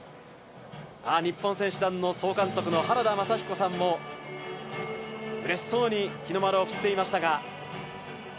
日本選手団の総監督原田雅彦さんもうれしそうに日の丸を振っていました。